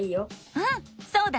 うんそうだね。